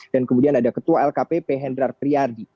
dan kemudian ada ketua lkp pehendrar priyardi